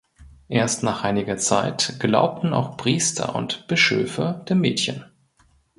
Erst nach einiger Zeit glaubten auch Priester und Bischöfe dem Mädchen.